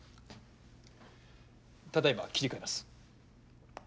ただ今切り替えます。